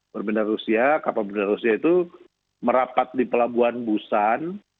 berbendera rusia kapal berbendera rusia itu merapat di pelabuhan busan